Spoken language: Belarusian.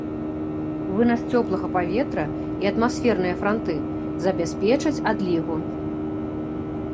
Вынас цёплага паветра і атмасферныя франты забяспечаць адлігу.